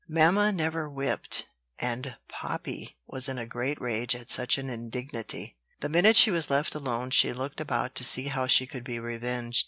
Mamma never whipped, and Poppy was in a great rage at such an indignity. The minute she was left alone, she looked about to see how she could be revenged.